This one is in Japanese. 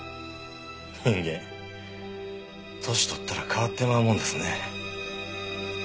人間年とったら変わってまうもんですね。